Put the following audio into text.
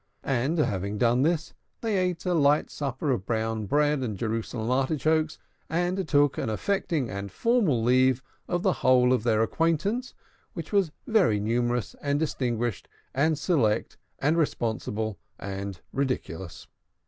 And, having done this, they ate a light supper of brown bread and Jerusalem artichokes, and took an affecting and formal leave of the whole of their acquaintance, which was very numerous and distinguished and select and responsible and ridiculous.